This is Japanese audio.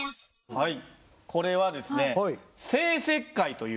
はい。